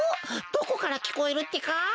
どこからきこえるってか？